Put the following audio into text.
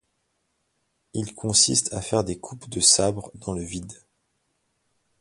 Il consiste à faire des coupes de sabre dans le vide.